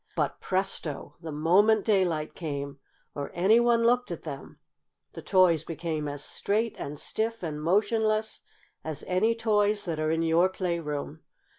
But, presto! the moment daylight came, or any one looked at them, the toys became as straight and stiff and motionless as any toys that are in your playroom.